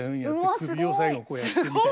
首を最後こうやってみたいな。